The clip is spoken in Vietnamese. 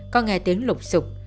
có nghe tiếng lục sục